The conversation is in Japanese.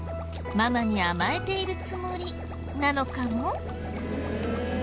ママに甘えているつもりなのかも。